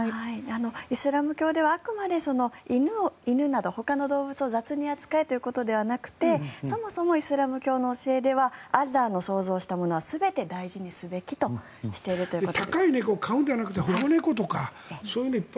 イスラム教ではあくまで犬などほかの動物を雑に扱えということではなくてそもそもイスラム教の教えではアラーの創造したものは全て大事にすべきとしているということで。